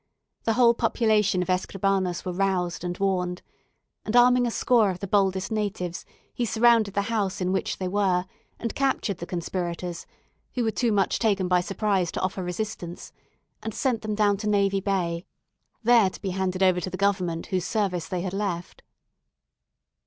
The whole population of Escribanos were roused and warned; and arming a score of the boldest natives, he surrounded the house in which they were, and captured the conspirators, who were too much taken by surprise to offer resistance, and sent them down to Navy Bay, there to be handed over to the Government whose service they had left.